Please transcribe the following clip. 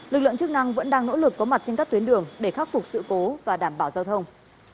lực lượng chức năng vẫn đang nỗ lực có mặt trên các tuyến đường để khắc phục sự cố và đảm bảo giao thông